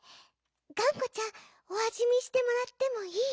がんこちゃんおあじみしてもらってもいい？